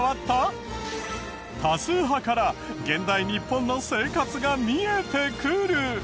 多数派から現代日本の生活が見えてくる。